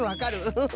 フフ。